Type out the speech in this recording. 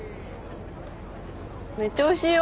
めっちゃおいしいよ。